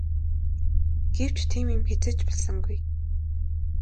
Гэвч тийм юм хэзээ ч болсонгүй.